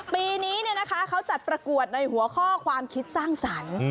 ปีนี้เขาจัดประกวดในหัวข้อความคิดสร้างสรรค์